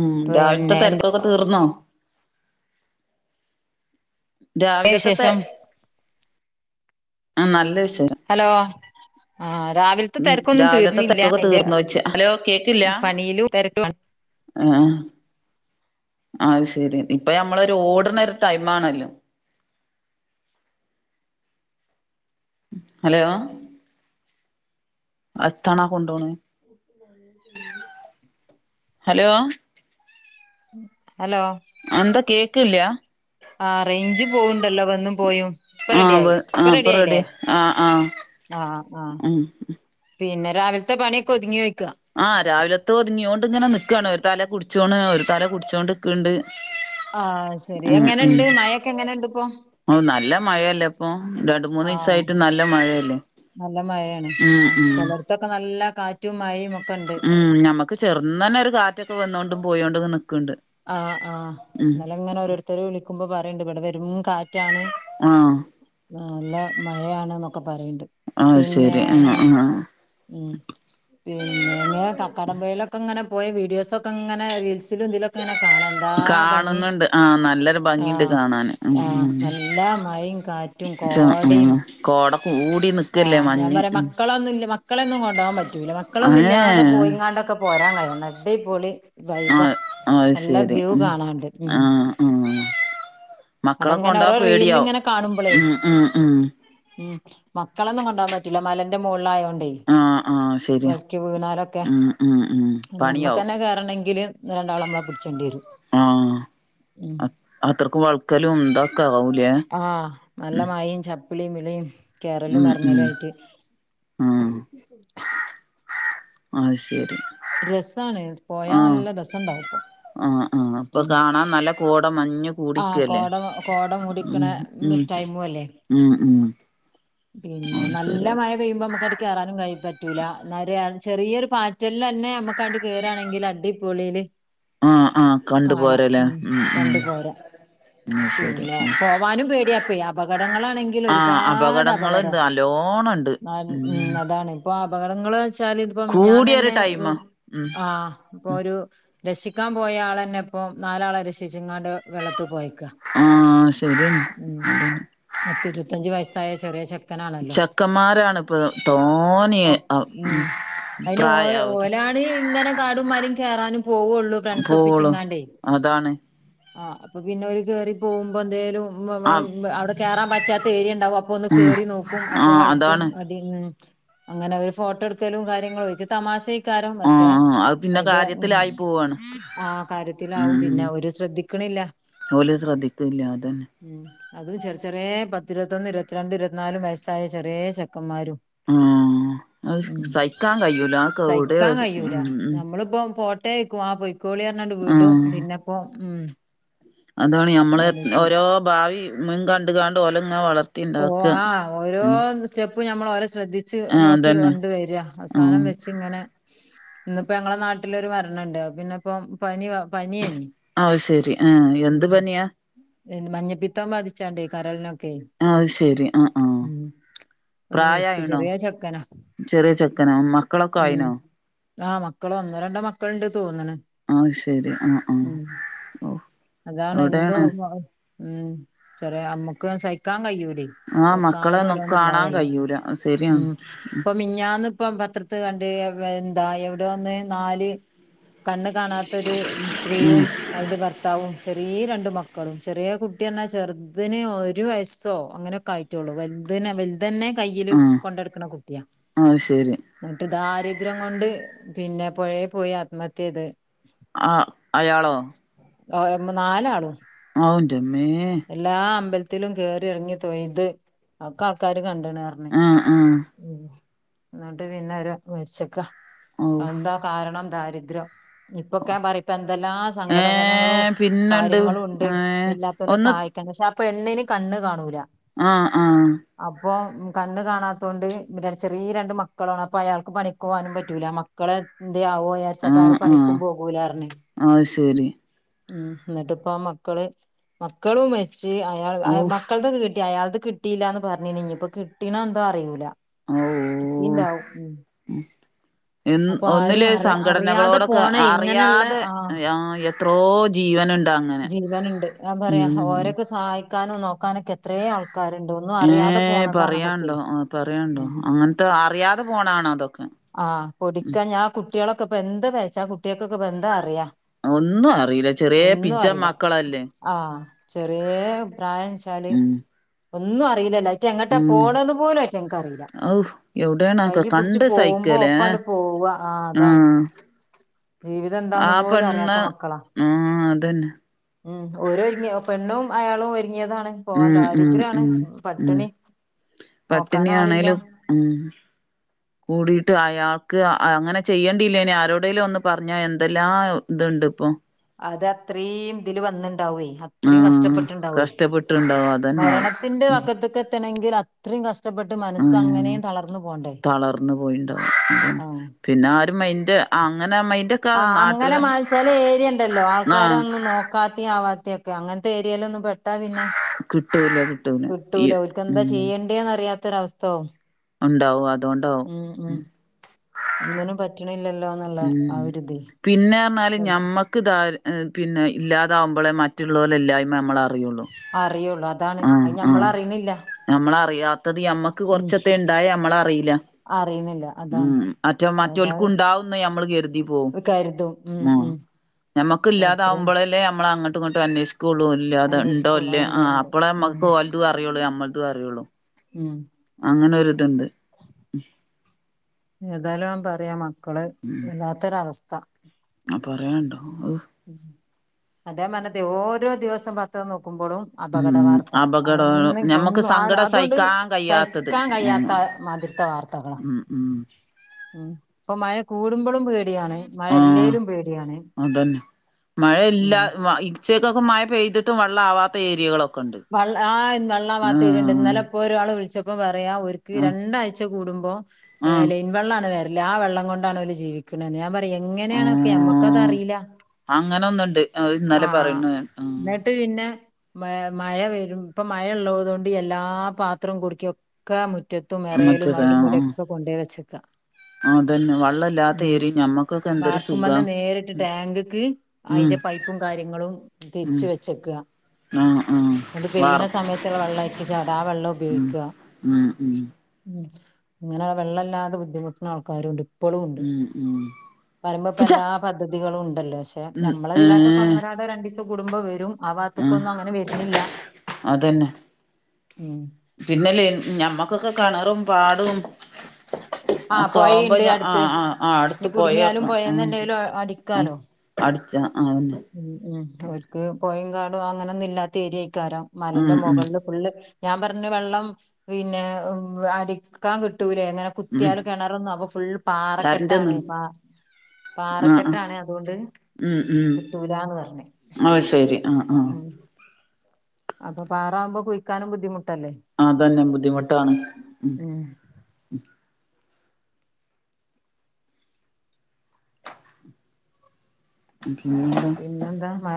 ഉം രാവിലത്തെ പിന്നെ എന്തൊക്കെയാ തിരക്കൊക്കെ തീർന്നോ രാവിലത്തെ ത്തെ വിശേഷം ഉം നല്ല വിഷെയം ഹലോ ആഹ രാവിലത്തെ ഉം തെരക്കൊന്നും രാവിലത്തെ തീർന്നില്ല തെക്കൊക്കെ അയിന്റെ തീർന്നോയ്ച്ച ഹലോ പണിയിലും തെരക്കും ആണ് ആഹ്‌ ആഹ് അയ് ശരി ഇപ്പ നമ്മളൊരു ഓട്ണോരു ടൈം ആണല്ലോ ഹലോ അത്താണാ കൊണ്ടോണേ [unintelligible] ഹലോ ഹലോ അന്താ കേക്ക് ഇല്ല്യാ ആ റേയ്ഞ്ച് പോവുണ്ടല്ലോ വന്നും പോയും ഇപ്പ ആഹ് വ് റെഡിയായി ഇപ്പ ആഹ് ഇപ്പൊ റെഡിയായില്ലേ റെഡി ആഹ് ആഹ് ആഹ് ആഹാ ഉം പിന്ന രാവില്ത്തേ പണീക്കൊതുങ്ങോയ്ക്കാ ആഹ് രാവിലത്ത ഒതുങ്ങിയോണ്ടിങ്ങന നിക്കാണ് ഒരു തല കുടിച്ചോണ് ഒരു തല കുടിച്ചോണ്ടിക്കേണ്ട് ആഹ് സെരി എങ്ങനെണ്ട് മയേക്കെങ്ങനെണ്ടിപ്പൊ അഹ് നല്ല മയയല്ലേപ്പൊ രണ്ട് മൂന്ന് ആ ദിവസായിട്ട് നല്ല മഴയല്ലേ നല്ല മഴയാണ് ഉം ആഹ് ഉം ചെലടത്തൊക്ക നല്ല കാറ്റും മഴയും ഒക്ക് ഉം ഞമ്മക്ക് ചെറുന്നനേ ഒരു കാറ്റക്കൊ വന്നോണ്ടും പോയോണ്ടും ങ്ങനെ നിക്കണ്ട് ആഹ് ആഹ് ഇന്നല്ലങ്ങന ഓരോരുത്തര് വിളിക്കുമ്പോ പറേണ്ട് ഇവിടെ വെറും കാറ്റ് റ്റാണ് ആഹ് നല്ല മയയാണ്ന്നൊക്ക പറയ്ണ്ട് ആഹ് പിന്നെ ശരി ആഹ് ആഹ് ഉം പിന്നെ ഇങ്ങനെ കക്കടംമ്പയിലൊക്കങ്ങന പോയി വീഡിയോസൊക്കങ്ങന റീൽസില് ഇതിലൊക്കെങ്ങനെ കാണാനെന്താ ഭംഗി കാണുന്നുണ്ട് ആഹ് നല്ലൊരു ഭംഗിണ്ട് ആഹ് കാണാന് ഉം ആഹ് ഉം നല്ല മഴിം കാറ്റും ചെ കോടേം ആഹ് കോട കൂടീന്ന് ആഹ് ഞാൻ പറയാ മക്കളൊന്നില്ല മക്കളേന്നും കൊണ്ടോവാ പറ്റൂല്ല മക്കളൊന്നില്ലാതെ ഏഹ് പോയിങ്ങാണ്ടക്ക പോരാൻ കഴിഞ്ഞെന്നാൽ അടി പൊളി വൈബാ ആഹ് അത് നല്ല ശരി വ്യൂ ഉം കാണാണ്ട് ഉം ആഹ് ആഹ് മക്കളെ അതങ്ങന കൊണ്ടോവാൻ ഓരോ പേടിയാവും റീലിലിങ്ങന കാണുമ്പളേ ഉം ഉം ഉം ഉം മക്കളേന്നും കൊണ്ടോകാൻ പറ്റൂല്ല മലന്റെ മോൾളായോണ്ടേ ആഹ് ആഹ് ശരിയാ വഴിക്കി വീണാലൊക്കെ ഉം ഉം ഉം പണിയാവും നമ്മക്കന്നെ കേറണേങ്കില് രണ്ടാളമ്മളെ പിടിച്ചോണ്ടേരും ആഹ് അ അത്രക്ക് വൾക്കലും ഇതൊക്ക ആവുലേ ആഹ് നല്ല മഴിം ചപ്പിളി ബിളി കേറലും ഉം എറങ്ങലു ഉം ആയിട്ട് ഉം ആഹ് ശേരി രസാണ് പോയാ നല്ല രസെണ്ടാവും ഇപ്പൊ ആഹാ ആഹാ അപ്പ ഉം കാണാൻ നല്ല കോട മഞ്ഞും ആഹ് കൂടിക്കല്ലേ കോട കോട മൂടിക്കണ ഉം ഉം ടൈമും ഊം ഊം പിന്ന നല്ല മഴ പെയ്യുമ്പ നമ്മക്കാണ്ട് കേറാനും കയീ പറ്റൂല്ല, എന്നാല് ചെറിയൊരു പാറ്റൽ ലന്നേ നമ്മക്കാണ്ട് കേറാണങ്കിലടിപൊളിലേ ആഹ് ആഹ് കണ്ട് പോരലേ ഉം ഉം കണ്ടു പോരാം അത് ശരി പിന്നെ പോവാനും പേടിയപ്പേ അപകടങ്ങളാണെങ്കി ആഹ് ഇതിലൊരുപാടപകടാ അപകടങ്ങളുണ്ട് നല്ലോണം ഉണ്ട് നല്ല ഉം അതാണ് ഇപ്പൊ അപകടങ്ങളേച്ചാൽ ഇതിപ്പോ കൂടിയൊരു മിനിഞാന്നെന്നേ ടൈമാ ഊം ഉം ആഹ് ഇപ്പൊ ഒരു രഷിക്കാൻ പോയാളന്നെ ഇപ്പൊ നാലാളെ രക്ഷിച്ചിങ്ങാണ്ട് വെള്ളത്ത് പോയി ആഹ് ശെരിയാണ് പത്തിരുപത്തഞ്ച് വയസ്സായ ചെറിയ ചെക്ക് ചെക്കന്മാരാണ്പ്പൊ തോനിയേ ഓ അ ഉം അതിന് ഓ ഓലാണ് ഇങ്ങന കാടുംമലേം കേറാനും പോവോള്ളു പോവുള്ളു ഫ്രണ്ട്സൊപ്പിച്ചിങ്ങാണ്ടേ അതാണ് ആഹ് അപ്പ പിന്നോര് കേറി പോവുമ്പ എന്തേലും വ ആ ഉം അവട കേറാൻ പറ്റാത്ത ഏരിയ്യ എണ്ടാവും അപ്പൊന്ന് ഉം കേറി നോക്കും ആ അപ്പ വള്ക്കും അതാണ് ഉം അങ്ങനെ ഓര് ഫോട്ടോ എടുക്കലും കാര്യങ്ങളും ഇക്ക് തമാശേക്കാരം ആ പക്ഷെ അത് പിന്നെ അയിന്റെ ഉം കാര്യത്തിലായി പോവാണ് ആ കാര്യത്തിലാവും പിന്നെ ഉം അവര് ശ്രദ്ധ ഓല് ശ്രദ്ധിക്ക്‌ല്ല അതന്നെ ഉം അതും ചെറിയ ചെറിയ പത്ത് ഇരുപത്തൊന്ന് ഇരുപത്തിരണ്ട് ഇരുപത്തിനാലും വയസ്സായ ചെറിയ ചെക്കന്മാരും ആ അത് ഉം സഹിക്കാൻ കഴിയൂല ആ കൗടെ സഹിക്കാൻ കഴിയൂല ഉം ഉം നമ്മളിപ്പോ പോട്ട ട്ടേയ്ക്കും ആഹ് പൊയ്ക്കോളി പറഞ്ഞാണ്ട് വിടും ആ പിന്നിപ്പം ഉം അതാണ് ഞമ്മള് ആലോചിക്കണം ഓരോ ഭാവി മുൻ കണ്ട്കാണ്ട് ഓലങ്ങനെ വളർ ഓ ആഹ് ഓരോ സ്റ്റെപ്പും ഞമ്മൾ ഓരെ ശ്രദ്ധി ച്ച് ആ നോക്കി അതന്നെ കൊണ്ട് വരും ആ അവസാനം വെച്ച് ഇങ്ങനെ ഇന്നിപ്പോ ഞങ്ങളെ നാട്ടിലൊരു മരണൊണ്ട് അത് പിന്നെ ഇപ്പം പനി പനിയേനി അത് ശെരി ആഹ് ഉം. എന്ത് പനിയാ മഞ്ഞപ്പിത്തം ബാധിച്ചാണ്ടേ കരളിനൊക്കെ ആഹ് ശെരി ഉം. ഒന്ന് വെച്ചു പ്രായമായീണോ ചെറിയ ചെക്കന ചെറിയ ചെക്കനോ മക്കളൊക്കെ ആയിനോ ആഹ് മക്കള് ഒന്നോ രണ്ടോ മക്കളുണ്ട് തോന്ന്ണ് അത് ശരി ആഹ് ആഹ് ഉം ഓ അതാണ് എന്തോ എവിടെയാണ് ഉം ചെറിയ ഞമ്മക്ക് സഹിക്കാൻ കഴിയൂ ആഹ് മക്കളെ ഒന്ന് കാണാൻ കയ്യൂല ഉം ശരിയാണ് ഇപ്പൊ മിനിഞ്ഞാന്നിപ്പം പത്രത്ത് കണ്ട് എന്താ എവിടോന്ന് നാല് കണ്ണ് കാണാത്തൊരു ഉം സ്ത്രീയും അയിന്റെ ഭർത്താവും ചെറീയ രണ്ട് മക്കളും ചെറിയ കുട്ടി എന്നാച്ചാ ചെറുതിന് ഒരു വയസ്സോ അങ്ങനൊക്കെ ആയിട്ടൊള്ളൂ വലുതെ വലുതന്നെ കയ്യില് ആഹ് കൊണ്ടട്ക്ക്ണ കുട്ടിയാ അത് ശരി എന്നിട്ട് ദാരിദ്ര്യം കൊണ്ട് പിന്നെ പുഴേ പോയി ആത്മഹത്യ ചെയ്തെ ആഹ് അയാളോ പോയമ്പൊ നാലാണോ ഓ എന്റമ്മേ എല്ലാ അമ്പലത്തിലും കയറി ഇറങ്ങി തൊയ്ത് ഒക്കെ ആൾക്കാര് കണ്ട്ണ് ആഹ് ആഹ് ഉം എന്നിട്ട് പിന്നെ മരിച്ച്ക്കാ ഔ എന്താ കാരണം ദാരിദ്ര്യം ഇപ്പൊക്കെ ഞാൻ പറിം എന്തെല്ലാം സംഘടനകളും ഏഹ് പിന്നെണ്ട് കാര്യങ്ങളും ഉണ്ട് ഏഹ് ഇല്ലാത്തോലെ ഒന്ന് സഹായി പക്ഷെ ആപെണ്ണിന് കണ്ണ് കാണൂല ആഹ് ആഹ് അപ്പം കണ്ണ് കാണാത്തോണ്ട് ചെറിയ രണ്ട് മക്കളാണ് അപ്പൊ അയാൾക്ക് പണിക്ക് പോവാനും പറ്റൂല ക്കളാ എന്തേ ആവോ ച്ചാട്ട് ആഹ് അയാള് ആഹ് പണിക്കും പോകൂലാന്നർഞ്ഞ് അത് ശരി ഉം എന്നിട്ട് ഇപ്പം മക്കള് മക്കളും മരിച്ച് അയാൾ ഔഫ് മക്കളതൊക്കെ കിട്ടി അയാൾടെ കി കിട്ടീല്ലാന്ന് പറഞ്ഞിനി ഇനിപ്പോ കിട്ടീണോ എന്താ അറിയൂല ഔ കിട്ടീണ്ടാവും ഉം എന്ന് അപ്പൊ ആരും ഒന്നില് അറിയ അറിയാതെ സംഘടനകളോടൊക്കെ പോണെ ഇങ്ങനെള്ള അറിയാതെ ആഹ് എത്രോ ജീവനുണ്ടാങ് ജീവനുണ്ട് ഞാൻ പറയാ ഓരൊക്കെ സഹായിക്കാനും നോക്കാനൊക്കെ എത്രേ ആൾക്കാരുണ്ടോ ഏഹ് പറയാണ്ടോ പറയാണ്ടോ ഉം അങ്ങനത്തെ അറിയാതെ പോണാണ് അതൊക്കെ ആഹ് പൊടിക്കാ ഞാ കുട്ടികളൊക്കെ ഇപ്പൊ എന്താ വച്ചാ കുട്ടികൾക്കൊക്കെപ്പൊ എന്താ അറിയാ ഒന്നും അറിയില്ല. ചെറിയ ഒന്നും പിഞ്ചൻ അറിയില്ല മക്കളല്ലേ. ആഹ് ചെറിയേ പ്രായം ന്നച്ചാല് ഉം. ഒന്നും അറിയില്ലല്ലോ ഇത് എങ്ങട്ടാ ഉം. പോണേന്ന് പോലും അയ്റ്റങ്ങക്കറീയില്ല ഔ എവിടെയാണൊക്കെ കയ് പുടിച്ച് കണ്ട് പോവുമ്പോ സഹിക്കേലേ. ഒപ്പങ്ങട് പോവ ആഹ് അതാണ് ജീവിതം എന്താന്ന് ആ പോലും പെണ്ണ് അറിയാത്ത മക്കളാ ആഹ് അതന്നെ. ഉം ഓരൊരുങ്ങിയ ആഹ് പെണ്ണും അയാളും ഒരുങ്ങിയതാണ് പോവാൻ ഉം. ഉം. ദാരിദ്ര്യാണ് ഉം. ഉം. പട്ടിണി നോക്കാനാളില്ല പട്ടിണിയാണേലും ഉം കൂടിയിട്ട് അയാൾക്ക് അ അങ്ങനെ ചെയ്യേണ്ടില്ലേനി ആരോടേലും ഒന്ന് പറഞ്ഞാ എന്തെല്ലാം ന്തോണ്ട് ഇപ്പം അത് അത്രീം തില് വന്ന്ണ്ടാവേ അത്രീം ആഹ്. കഷ്ടപ്പെട്ടിട്ടുണ്ടാവേ കഷ്ടപ്പെട്ടുണ്ടാവും അതന്നാവും. മരണത്തിന്റെ ഉം. വക്കത്ത്ക്കത്തണങ്കില് അത്രീം കഷ്ടപ്പെട്ട് മനസ്സ് ആഹ്. അങ്ങനേം തളർന്നു പോണ്ടേ തളർന്നു പോയിണ്ടാവും അതാണ് ആഹ് പിന്നെ ആരും മൈന്റ് അങ്ങനാ മൈന്റ് ആ അങ്ങനെ മാ ചെല ഏരിയണ്ടല്ലോ ആൾക്കാരെ ആഹ് ഒന്നും നോ ക്കാത്തി ആവാത്തിയൊക്കെ അങ്ങൻത്തെ ഏരിയെല് ഒന്ന് പെട്ടാ പിന്നെ കിട്ടുവല്ലോ അത് വിട്ടൂല ഓൽക്കെന്താ ചെയ്യേണ്ടിയേന്ന് അറിയാത്തൊരവസ്ഥാവും ഒണ്ടാവും അതൊണ്ടാവും ഉം ഉം ഒന്നിനും പറ്റ്ണില്ലല്ലോന്ന്ള്ള ആ ഒര് തേ പിന്നെർഞ്ഞാല് ഞമ്മക്ക് ദാര് ഹ് പിന്നെ ഇല്ലാതാവുമ്പളേ മറ്റുള്ളോലെ ഇല്ലായ്മ ഞമ്മളറിയോള്ളു അറിയോള്ളൂ അ ആഹ് ആഹ് ഞമ്മളറിയാത്തത് ഞമ്മക്ക് ഉം കൊർച്ചൊത്തെ ഇണ്ടായ ഞമ്മളറീല അറിയണില്ല അതാണ് ഉം മറ്റൊ മറ്റൊൽക്കു ഏതായാലും ഉണ്ടാവുന്ന് ഞമ്മള് കെര്തി പോവും ഉം ഞമ്മക്ക് എത്രയും ഇല്ലാതാവുമ്പളല്ലേ ഞമ്മളങ്ങട്ടു ഇങ്ങട്ടും അന്വേഷി കൂളു ഇല്ല്യാതെ ഇണ്ടോ അന്വേഷിക്കുള്ളൂ ഇല്ലേ അതുണ്ട് ആഹ് അതുണ്ട് അപ്പളേ ഉം മ്മക്ക് ഓൽതും അറിയൊള്ളൂ ഞമ്മള്തു അറിയൊള്ളൂ ഉം അങ്ങനൊര്ത്ണ്ട് ഏതായാലും ഞാം പറയെ മക്കളെ വല്ലാത്തൊരവസ്ഥ അ പറയാണ്ടോ അഹ് അതാ ഞാം പർഞ്ഞതെ ഓരോ ദിവസം പത്രം നോക്കുമ്പളും അപകട ഉം വാർത്ത അപകടം അഒന്ന് ഞമ്മക്ക് ഒന്നു അ സങ്കടം അതുകൊണ്ട് സഹിക്കാൻ കഴിയാത്തത് സഹിക്കാൻ ഉം കഴിയാത്ത മാതിര്ത്തെ വാർ ത്തകളാ ഉം ഉം ഉം ഇപ്പ മയ കൂടുമ്പളും പേടിയാണ് മഴ ആഹ് ഇല്ലേലും പേടിയാണ് അതന്നെ മഴയില്ലാ ഉം വയ് ചേക്കൊക്കെ മയ പെയ്ത്ട്ടും വള്ള ആവാത്ത ഏരിയകളൊ വള്ള ആ വെള്ളാവാത്ത ഏരിയണ്ട് ഇന്നലെ ഇപ്പൊ ഒരാള് വിൾച്ചപ്പം പറയാ ഓര്ക്ക് ആ രണ്ടാഴ്ച കൂടുമ്പോ ആ ഏ ലൈൻ വെള്ളാണ് വര്ല് ആ വെള്ളം കൊണ്ടാണ് അവര് ജീവിക്കിണേന്ന് ഞാൻ പർ ഞ് ആ എങ്ങനെണൊക്കെ ഞമ്മക്കതറീല അങ്ങനെ ഒന്നുണ്ട് ഇന്നലെ ആഹ് പറയുന്നു ന്ന ന്നട്ട് പിന്നെ മ മഴ വരും ഇപ്പം മഴ ഇള്ളതൊണ്ട് എല്ലാ പാത്രോം കുടുക്കിം ഒ ക്കാ മുറ്റത്തും എറേലും മറ്റേത് അവ്ടിം ആ ഇവടി ആ ഒക്കെ കൊണ്ടയ് വെച്ചേക്കാ അതന്നെ വള്ളല്ലാത്ത ഉം ഏരിയ ഞമ്മക്കൊക്കെ എന്തൊരു സുഖാ വാർപ്പുമന്ന് നേരിട്ട് ട്ടാങ്കിക്ക് ഉം അയിന്റെ പൈപ്പും കാര്യങ്ങളും ഉം തിര്ച്ചു വെച്ചക്ക ആഹ് ആഹ് ന്നട്ട് വാർ പെയ്യ്ണ സമയത്ത്ള്ള വെള്ള അയിക്ക് ചാടാ ആ വെള്ള ഉം ഉപയോഗിക്ക ഉം ഉം ഉം ഇങ്ങനെ വെള്ളല്ലാതെ ബുദ്ധിമുട്ട്ണ ആൾക്കാരുണ്ട് ഇപ്പളുണ്ട് ഉം ഉം പറിമ്പോ പൂച്ച ഇപ്പെല്ലാ പദ്ധതികളും ഉണ്ടല്ലോ പക്ഷെ ഉം ഞമ്മളിതിലാട്ടൊക്കെ ഏഹ് ഒന്നരാടോ രണ്ടീസൊ കൂടുമ്പോ വരും ആ ആഹ് ഭാഗത്ത്ക്കൊന്നും അങ്ങനെ വരി ല്ല ഉം പിന്നല്ലെ ഞമ്മക്കൊക്കെ കെണറും പാടും ആ അഒക്കാവുമ്പോ പൊഴയിണ്ട് ഞ ആ അടുത്ത് ആ ആ ഇനി അട്ത്ത് കുടുങ്ങിയാലും പൊയൊക്ക പൊഴേന്നന്നേലും അ അടിക്കാലോ. അടിച്ച ആ അന്നെ ഉം ഉം ഓല്ക് പൊയിം കാടും അങ്ങനെന്നും ഇല്ലാത്ത ഏരിയയിക്കാരം ഉം മലന്റെ ഉം മുകൾ ഫുള്ള് ഞാൻ പർഞ് വെള്ളം പിന്നെ അടിക്കാൻ കിട്ടൂലേ ങ്ങനെ. ഉം കുത്തിയാല് കെണറന്നു അപ്പൊ ഫുൾ കരന്റൊന്ന് പാറക്കെട്ടാണ് പ ആഹ് ആഹ് പാറക്കെട്ടാണ് അതുകൊണ്ട്. ഉം ഉം കിട്ടൂലാന്ന് പറഞ്ഞ് ആഹ് ശരി ആഹ് ആഹ്. ഉം അപ്പൊ പാറാമ്പോ കുഴിക്കാനും ബുദ്ധിമുട്ടല്ലേ. അതന്നെ ബുദ്ധിമുട്ടാണ് ഉം പിന്നെന്താ പിന്നെന്താ മാ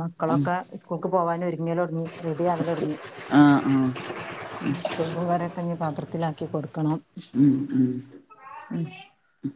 മക്കളൊക്കെ സ്കൂൾക്ക് പോവാന് ഒരുങ്ങൽ തുടങ്ങി റെഡി ആവൽ സ്കൂ ഒടുങ്ങി. ആഹ് ആഹ്. [unintelligible] കറിയൊക്കെ തന്നെ പത്രത്തിലാക്കി കൊടുക്കണം. ഉം ഉം. ഉം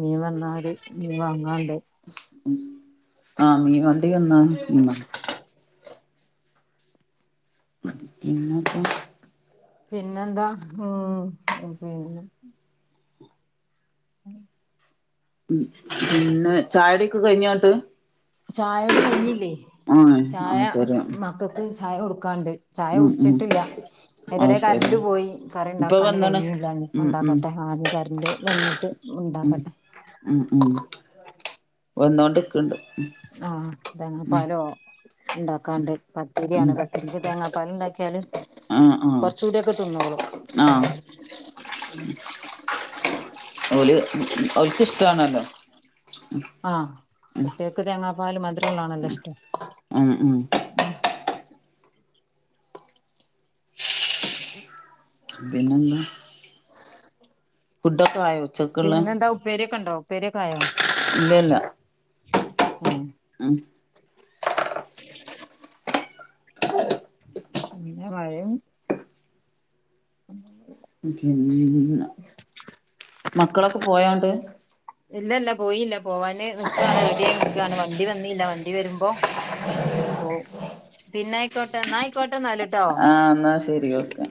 മീൻ വന്നാല് മീൻ വാങ്ങാണ്ട് - ആഹ് മീ വണ്ടി വന്നാ മീ പിന്നത്താ പിന്നെന്താ ഉം പിന്നെ. [inaudible] ഉം പിന്നെ ചായകുടിയൊക്കെ കഴിഞ്ഞോട്ട്. ചായകുടികഴിഞ്ഞില്ലേ ആഹ് ചായ അത് ശരി ഉം മക്കൾക്ക് ചായ കൊടുക്കാണ്ട്. ചായ ഉം കുടിച്ചിട്ടില്ല. അതിന്റെ അത് ഇടയിൽ ശരി കരന്റ് പോയി കറി ഇപ്പൊ ഉണ്ടാക്കാൻ വന്ന്ണ് കഴിഞ്ഞില്ല ഞ്പ്പോ ഉം ഉം ഉണ്ടാക്കട്ടെ ആ കറണ്ട്. വന്നിട്ട് ഉണ്ടാക്കട്ടെ. മ് മ്. വന്നോണ്ട്ക്ണ്ട്. ആഹ് തെങ്ങപ്പാലോ. ഉണ്ടാക്കാണ്ട് ഉം പത്തിരിയാണ് പത്തിരിക്ക് തേങ്ങാപ്പാൽ ണ്ടാക്കിയാല്. ആഹ് ആഹ് കൊറച്കൂടിയോക്കെ തിന്നോളും. ആഹ് ഓല്.. ഓൽക് ഇഷ്ടാണല്ലോ. ആഹ് കുട്ട്യോൾക്ക് തേങ്ങാപ്പാൽ മധുരള്ളതാണല്ലോ ഇഷ്ടം. ഉം ഉം [unintelligible] പിന്നന്താ ഫുടൊക്കെ ആയോ? ഉച്ചക്ക്ള്ളെ പിന്നെന്താ ഉപ്പേരിയൊക്കെ ഉണ്ടോ ഉപ്പേരിയൊക്കായോ? ഉം. മ് പിന്നേ മഴയും. [unintelligible] പിന്ന മക്കളൊക്കെ പോയണ്ട്. ഇല്ല ഇല്ല പോയില്ല പോവാന് നിക്കാ യാണ് റെഡി ആയി നിക്യാണ് വണ്ടി വന്നില്ല വണ്ടി വരുമ്പോ. ഓ പിന്നെ ആയിക്കോട്ടെ ന്നയിക്കോട്ടെ ഇന്നാൽ. ട്ടോ. ആഹ് എന്നാ ശരി ഓക്കെ